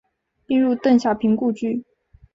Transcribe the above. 并入邓小平故居。